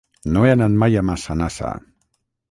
No he anat mai a Massanassa.